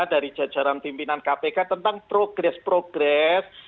dari jajaran pimpinan kpk tentang progres progres